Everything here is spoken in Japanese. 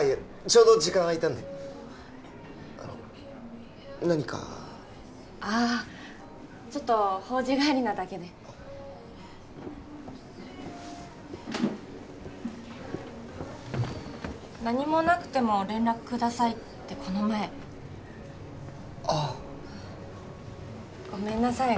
ちょうど時間あいたんであの何かああちょっと法事帰りなだけで何もなくても連絡くださいってこの前ああごめんなさい